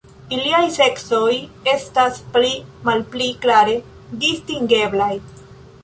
Iliaj seksoj estas pli malpli klare distingeblaj.